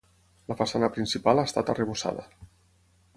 La façana principal ha estat arrebossada.